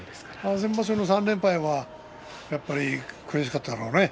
先場所の３連敗はやっぱり悔しかったようだね。